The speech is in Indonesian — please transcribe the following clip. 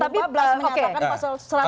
pas menyatakan pasal satu ratus sembilan